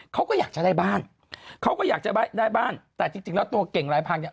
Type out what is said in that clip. เขาก็อยากจะได้บ้านเขาก็อยากจะได้บ้านแต่จริงจริงแล้วตัวเก่งลายพังเนี่ย